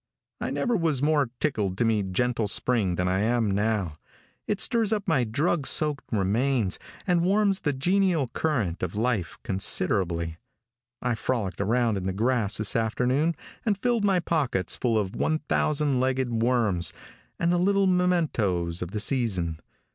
I never was more tickled to meet gentle spring than I am now. It stirs up my drug soaked remains, and warms the genial current of life considerably. I frolicked around in the grass this afternoon and filled my pockets full of 1000 legged worms, and other little mementoes of the season.